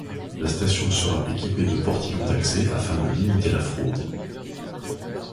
La station sera équipée de portillons d'accès afin de limiter la fraude.